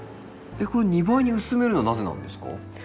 これ２倍に薄めるのはなぜなんですか？